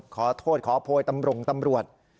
ขอโทษขอโพยตำรวงตำรวจ